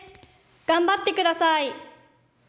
頑張ってください！